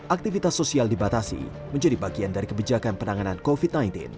aktivitas sosial dibatasi menjadi bagian dari kebijakan penanganan covid sembilan belas